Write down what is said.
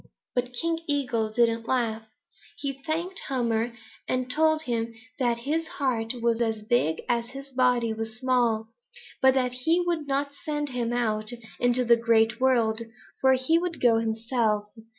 But King Eagle didn't laugh. He thanked Hummer and told him that his heart was as big as his body was small, but that he would not send him out into the Great World, for he would go himself.